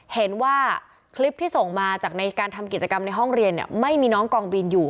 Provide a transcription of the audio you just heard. เห็นว่าคลิปที่ส่งมาจากในการทำกิจกรรมในห้องเรียนไม่มีน้องกองบินอยู่